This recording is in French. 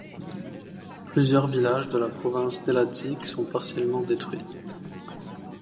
Plusieurs villages de la province d'Elâzığ sont partiellement détruits.